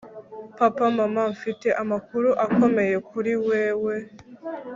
Papa Mama Mfite amakuru akomeye kuri wewe